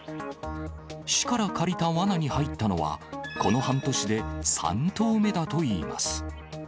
市から借りたわなに入ったのはこの半年で３頭目だといいます。